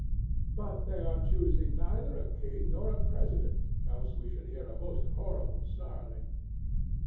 But they are choosing neither a king nor a President, else we should hear a most horrible snarling!